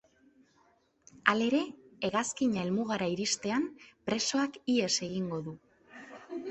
Halere, hegazkina helmugara iristean, presoak ihes egingo du.